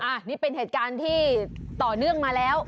อันนี้เป็นเหตุการณ์ที่ต่อเนื่องมาแล้ว